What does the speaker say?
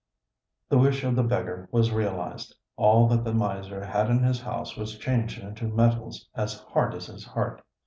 The wish of the beggar was realized. All that the miser had in his house was changed into metals as hard as his heart.